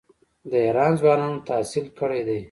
د ایران ځوانان تحصیل کړي دي.